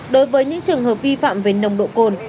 đối với những trường hợp vi phạm về nồng độ cồn